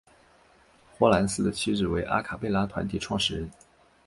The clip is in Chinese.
霍蓝斯的妻子为阿卡贝拉团体创始人。